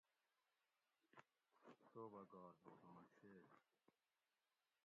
توبہ گار ہوگاں شعر: